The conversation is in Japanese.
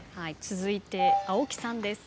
続いて青木さんです。